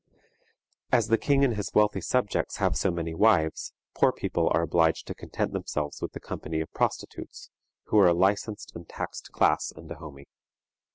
As the king and his wealthy subjects have so many wives, poor people are obliged to content themselves with the company of prostitutes, who are a licensed and taxed class in Dahomey.